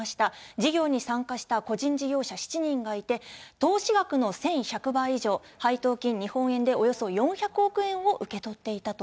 事業に参加した個人事業者７人がいて、投資額の１１００倍以上、配当金、日本円でおよそ４００億円を受け取っていたと。